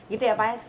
gitu ya pak